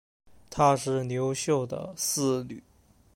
她是刘秀的四女。